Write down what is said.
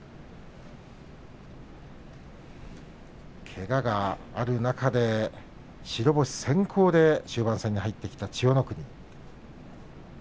けががある中で白星先行で終盤戦に入ってきた千代の国です。